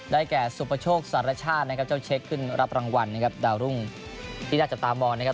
แก่สุปโชคสารชาตินะครับเจ้าเช็คขึ้นรับรางวัลนะครับดาวรุ่งที่น่าจับตามองนะครับ